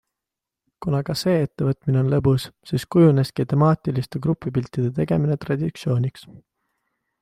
Kuna ka see ettevõtmine on lõbus, siis kujuneski temaatiliste grupipiltide tegemine traditsiooniks.